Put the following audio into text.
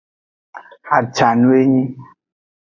Ajanu enyi.